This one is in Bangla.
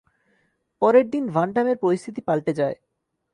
পরের দিন ভানডামের পরিস্থিতি পালটে যায়।